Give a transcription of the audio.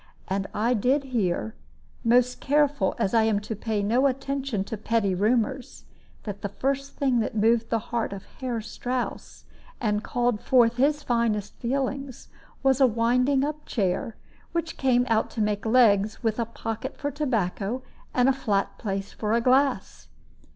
And I did hear most careful as I am to pay no attention to petty rumors that the first thing that moved the heart of Herr Strouss, and called forth his finest feelings, was a winding up chair, which came out to make legs, with a pocket for tobacco, and a flat place for a glass.